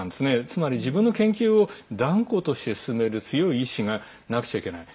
つまり自分の研究を断固として進める強い意思がなくちゃいけない。